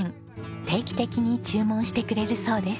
定期的に注文してくれるそうです。